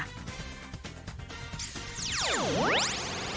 อักษรย่อ